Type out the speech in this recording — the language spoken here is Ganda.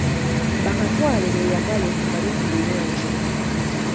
Bakatwale beeyagale balye ku birungi.